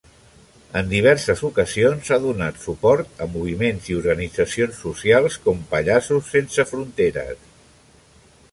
En diverses ocasions ha donat suport a moviments i organitzacions socials com Pallassos sense fronteres.